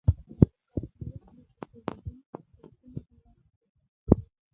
د کاسیوس نسب پېژندنې او سیاسي مطالعات په ډاګه کوي.